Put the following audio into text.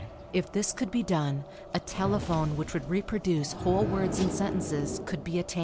If this could be done a telephone which would reproduce whole words and sentences could be attained.